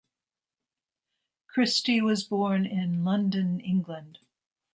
Christy was born in London, England.